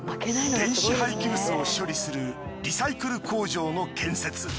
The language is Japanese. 電子廃棄物を処理するリサイクル工場の建設。